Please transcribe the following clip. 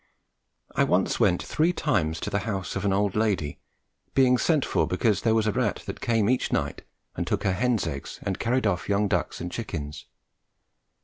I once went three times to the house of an old lady, being sent for because there was a rat that came each night and took her hen's eggs and carried off young ducks and chickens.